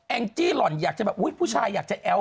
จี้หล่อนอยากจะแบบอุ๊ยผู้ชายอยากจะแอ้ว